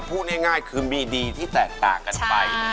พูดง่ายคือมีดีที่แตกต่างกันไป